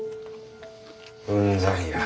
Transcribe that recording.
うんざりや。